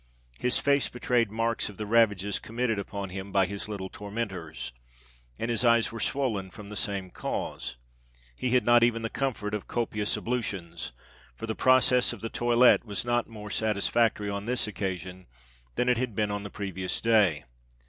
His face betrayed marks of the ravages committed upon him by his little tormentors; and his eyes were swollen from the same cause. He had not even the comfort of copious ablutions; for the process of the toilette was not more satisfactory on this occasion than it had been on the previous day.